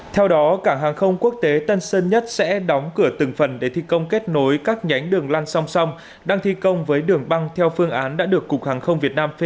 theo đó cảng hàng không quốc tế tân sơn nhất sẽ đóng cửa từng phần để thi công kết nối các nhánh đường lăn song song đang thi công với đường băng theo phương án đã được cục hàng không việt nam